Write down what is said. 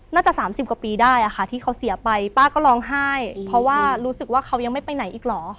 น่าจะ๓๐กว่าปีได้อะค่ะที่เขาเสียไปป้าก็ร้องไห้เพราะว่ารู้สึกว่าเขายังไม่ไปไหนอีกเหรอ